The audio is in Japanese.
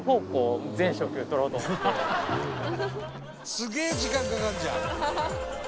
「すげえ時間かかるじゃん！」